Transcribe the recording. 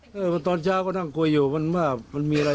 วิบัติไว้ครุ่มเท่าไหร่